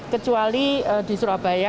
kecuali di surabaya